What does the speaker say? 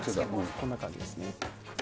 こんな感じですね。